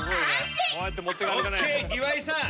岩井さん